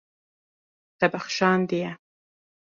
Te bexşandiye.